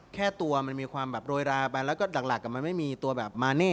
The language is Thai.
แค่ตัวมันมีความโดยราไปและหลักมันไม่มีตัวมาเน่